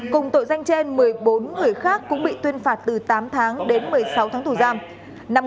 cùng tội danh trên một mươi bốn người khác cũng bị tuyên phạt từ tám tháng đến một mươi sáu tháng tù giam